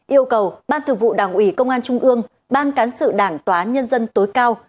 yêu cầu ban thường vụ đảng ủy công an trung ương ban cán sự đảng tòa án nhân dân tối cao